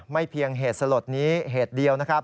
ไม่เพียงเหตุสลดนี้เหตุเดียว